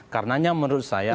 karena menurut saya